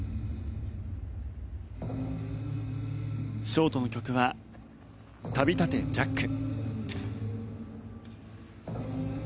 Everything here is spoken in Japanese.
ショートの曲は「旅立てジャック」。